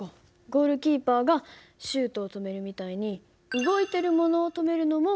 ゴールキーパーがシュートを止めるみたいに動いているものを止めるのも力か。